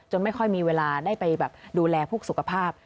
ไม่ค่อยมีเวลาได้ไปแบบดูแลพวกสุขภาพ